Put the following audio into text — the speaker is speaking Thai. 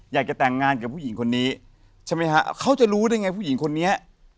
อยากจะแต่งงานกับผู้หญิงคนนี้